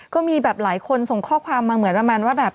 ก็มีแบบหลายคนส่งข้อความมาเหมือนประมาณว่าแบบ